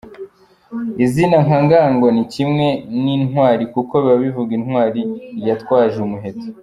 Izina nka Ngango ni kimwe na Ntwari kuko biba bivuga Intwari yitwaje umuheto.